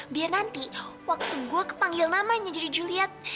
biar nanti waktu gue kepanggil namanya jadi juliat